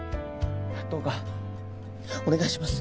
どうかお願いします